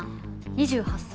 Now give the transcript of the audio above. ２８歳。